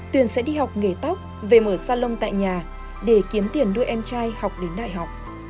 tuyền sẽ đi học nghề tóc về mở sa lông tại nhà để kiếm tiền đưa em trai học đến đại học